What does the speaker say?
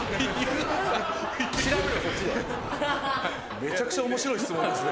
めちゃくちゃ面白い質問ですね。